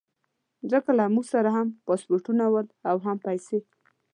ځکه له موږ سره هم پاسپورټونه ول او هم پیسې.